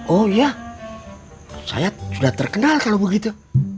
oh ya saya sudah terkenal kalau begitu